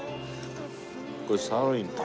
これサーロインか。